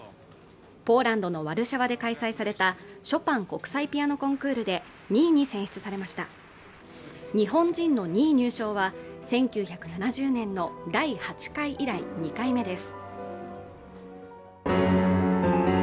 ポーランドのワルシャワで開催されたショパン国際ピアノコンクールで２位に選出されました日本人の２位入賞は１９７０年の第８回以来２回目です